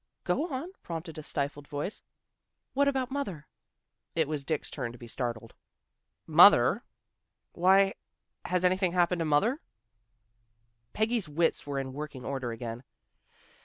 " Go on," prompted a stifled voice. " What about mother? " It was Dick's turn to be startled. " Mother? Why, has anything happened to mother? " Peggy's wits were in working order again.